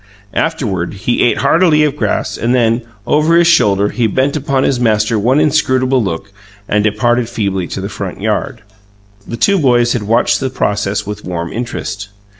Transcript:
Afterward, he ate heartily of grass; and then, over his shoulder, he bent upon his master one inscrutable look and departed feebly to the front yard. The two boys had watched the process with warm interest.